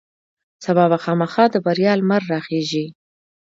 سبا به خامخا د بریا لمر راخیژي.